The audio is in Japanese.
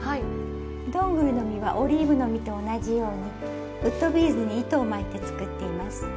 どんぐりの実はオリーブの実と同じようにウッドビーズに糸を巻いて作っています。